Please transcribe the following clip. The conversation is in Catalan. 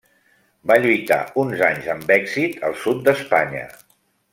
Va lluitar uns anys amb èxit al sud d'Espanya.